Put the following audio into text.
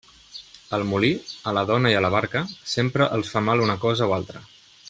Al molí, a la dona i a la barca, sempre els fa mal una cosa o altra.